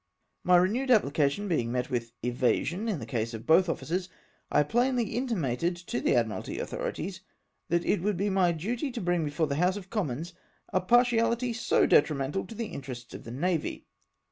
My renewed application being met with evasion in the case of both officers, I plainly intimated to the Admiralty authorities that it would be my duty to bring before the House of Commons a partiahty so detri mental to the interests of the navy.